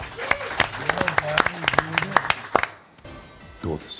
どうですか？